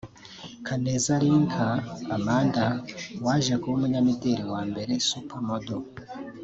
Kaneza Linca Amanda waje kuba umunyamideli wa mbere (super model)